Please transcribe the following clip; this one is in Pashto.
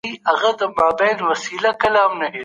بهرنۍ تګلاره بې له اصولو نه نه ده.